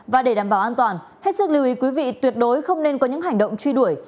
và để đảm bảo an toàn hết sức lưu ý quý vị tuyệt đối không nên có những hành động truy đuổi